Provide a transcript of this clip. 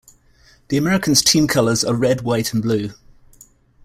The Americans' team colors are red, white and blue.